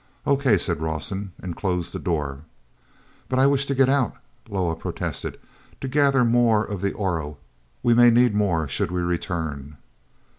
"O. K.," said Rawson, and closed the door. "But I wish to get out," Loah protested, "to gather more of the Oro. We may need more, should we return."